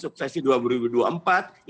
suksesi dua ribu dua puluh empat